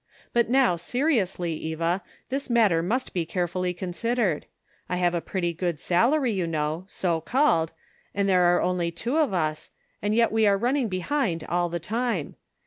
But, now seriously, Eva, this matter must be carefully considered. I have a pretty good salary, you know — so called— and there are only two of us, and yet we are running behind all the time.